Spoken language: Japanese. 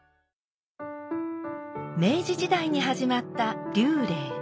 明治時代に始まった「立礼」。